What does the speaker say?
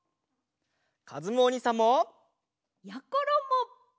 かずむおにいさんも！やころも！